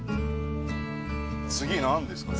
次何ですかね？